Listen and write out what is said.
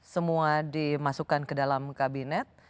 semua dimasukkan ke dalam kabinet